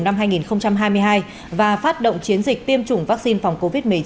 năm hai nghìn hai mươi hai và phát động chiến dịch tiêm chủng vaccine phòng covid một mươi chín